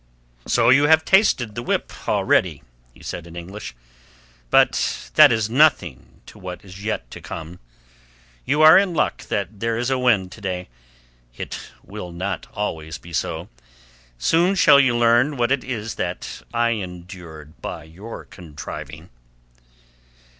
"So you have tasted the whip already," he said in English. "But that is nothing to what is yet to come. You are in luck that there is a wind to day. It will not always be so. Soon shall you learn what it was that I endured by your contriving."